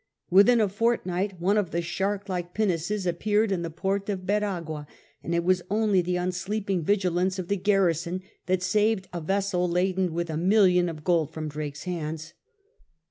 Within a fortnight one of the shark like pinnaces appeared in the port of Veragua, and it was only the unsleeping vigilance of the garrison that saved a vessel laden with a million of gold from Drake's hands.